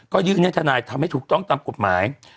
ก็ยื่นให้ทนายทำให้ถูกต้องตามกฎหมาย